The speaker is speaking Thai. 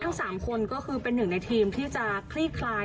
ทั้ง๓คนก็คือเป็นหนึ่งในทีมที่จะคลี่คลาย